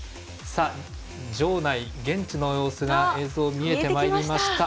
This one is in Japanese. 場内、現地の様子が映像、見えてまいりました。